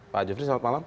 pak jufri selamat malam